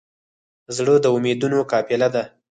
زړه د امیدونو قافله ده.